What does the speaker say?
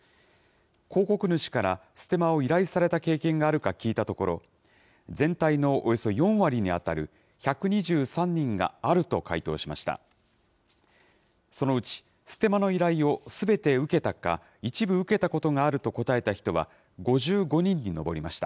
広告主からステマを依頼された経験があるか聞いたところ、全体のおよそ４割に当たる１２３人があると回答しました。